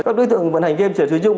các đối tượng vận hành game sẽ sử dụng